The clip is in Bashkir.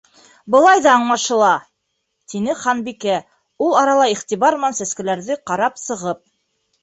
—Былай ҙа аңлашыла! —тине Ханбикә, ул арала иғтибар менән сәскәләрҙе ҡарап сығып.